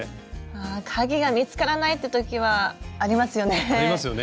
鍵が見つからないって時はありますよね。